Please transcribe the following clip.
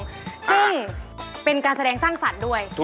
ซึ่งเป็นการแสดงสร้างสัตว์ด้วยใช่ไหมครับ